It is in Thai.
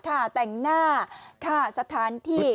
ค่าแต่งหน้าค่าสถานที่